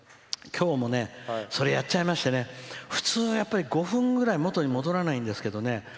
きょうもねそれやっちゃいまして普通は５分ぐらい元に戻らないんですけどね。